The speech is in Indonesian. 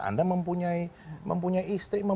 anda mempunyai istri